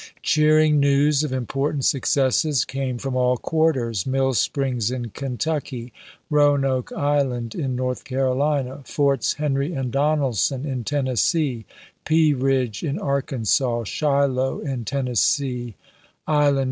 Cheering news of important successes came from all quarters — Mill Springs in Kentucky, Roanoke Island in North Carolina, Forts Henry and Donelsou in Ten nessee, Pea Ridge in Arkansas, Shiloh in Tennes see, Island No.